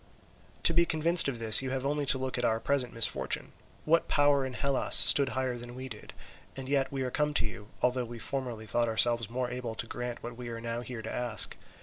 "To be convinced of this you have only to look at our present misfortune. What power in Hellas stood higher than we did? and yet we are come to you, although we formerly thought ourselves more able to grant what we are now here to ask.